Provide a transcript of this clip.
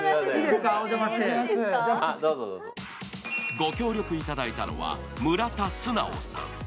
ご協力いただいたのは村田直さん。